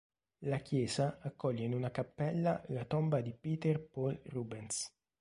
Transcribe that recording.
La chiesa accoglie in una cappella la tomba di Pieter Paul Rubens.